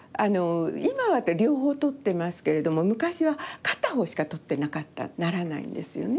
今は両方撮ってますけれども昔は勝った方しか撮ってなかったならないんですよね